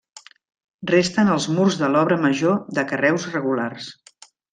Resten els murs de l'obra major de carreus regulars.